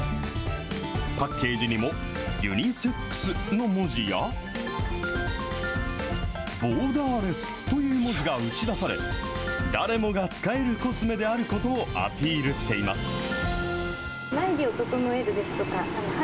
パッケージにも、ユニセックスの文字や、ボーダーレスという文字が打ち出され、誰もが使えるコスメであることをアピールしています。